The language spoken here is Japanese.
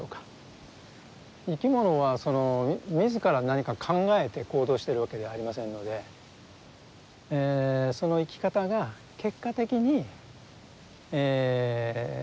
生き物は自ら何か考えて行動してるわけではありませんのでその生き方が結果的に他の生き物に作用している。